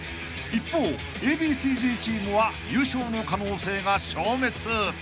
［一方Ａ．Ｂ．Ｃ−Ｚチームは優勝の可能性が消滅］